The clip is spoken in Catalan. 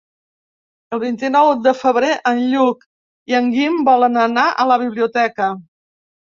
El vint-i-nou de febrer en Lluc i en Guim volen anar a la biblioteca.